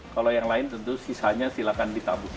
kalau yang lain tentu sisanya silakan ditabung